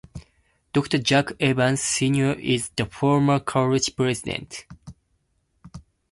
Doctor Jack Evans, Senior is the former college president.